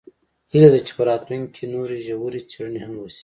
هیله ده چې په راتلونکي کې نورې ژورې څیړنې هم وشي